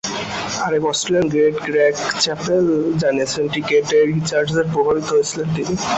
আরেক Australian great Greg Chappell জানিয়েছিলেন ক্রিকেটে রিচার্ডসে প্রভাবিত ছিলেন তিনি।